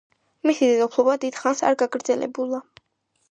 მისი დედოფლობა დიდ ხანს არ გაგრძელებულა.